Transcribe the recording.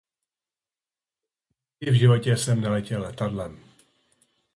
Nikdy v životě jsem neletěl letadlem.